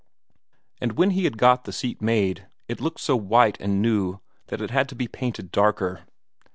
And when he had got the seat made, it looked so white and new that it had to be painted darker.